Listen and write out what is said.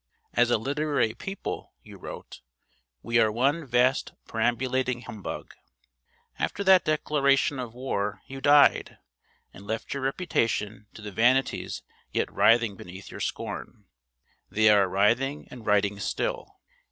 'As a literary people,' you wrote, 'we are one vast perambulating humbug.' After that declaration of war you died, and left your reputation to the vanities yet writhing beneath your scorn. They are writhing and writing still.